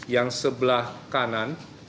yang sebelah kanan